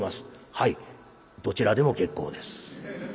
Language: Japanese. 「はいどちらでも結構です」。